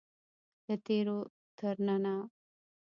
له تیرو تر ننه.